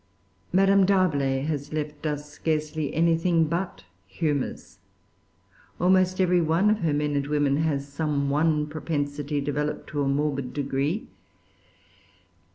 Madame D'Arblay has left us scarcely anything but humors. Almost every one of her men and women has some one propensity developed to a morbid degree.